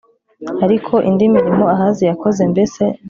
Ariko indi mirimo Ahazi yakoze mbese